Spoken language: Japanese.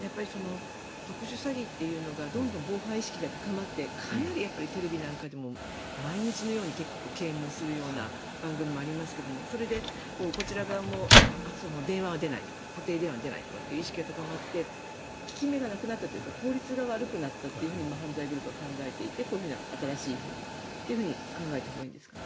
やっぱり特殊詐欺というのがどんどん防犯意識が高まってかなりテレビなんかでも毎日のように啓もうするような番組もありますがそれでこちら側も、電話は出ない固定電話は出ないとかって意識が高まって効き目がなくなったというか効率が悪くなったと犯罪グループは考えていてこういう新しいふうにと考えたほうがいいんですかね。